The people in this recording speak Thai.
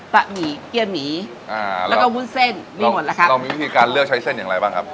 ะหมี่เกี้ยหมีอ่าแล้วก็วุ้นเส้นนี่หมดแล้วครับเรามีวิธีการเลือกใช้เส้นอย่างไรบ้างครับ